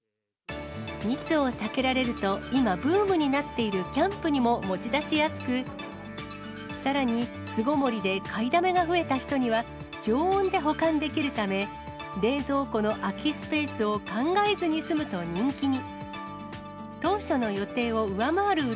密を避けられると、今、ブームになっているキャンプにも持ち出しやすく、さらに、巣ごもりで買いだめが増えた人には、常温で保管できるため、冷蔵庫の空きスペースを考えずに済むと人気に。